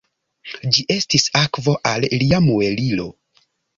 Ĝi estas akvo al lia muelilo.